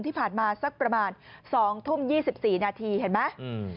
ที่ผ่านมาสักประมาณ๒ทุ่ม๒๔นาทีเห็นไหม